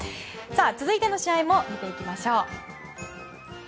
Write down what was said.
続いての試合も見ていきましょう。